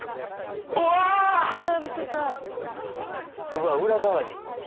うわっ裏側に。